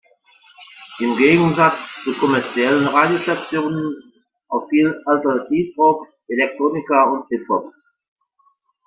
Im Gegensatz zu kommerziellen Radiostationen auch viel Alternative Rock, Electronica und Hip-Hop.